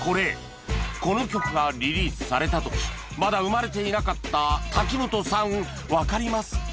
この曲がリリースされた時まだ生まれていなかった瀧本さんわかりますか？